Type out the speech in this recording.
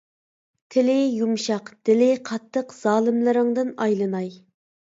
تىلى يۇمشاق دىلى قاتتىق زالىملىرىڭدىن ئايلىناي!